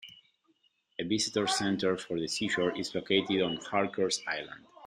A visitors center for the seashore is located on Harkers Island.